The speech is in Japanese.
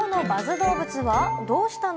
どうぶつは、どうしたの？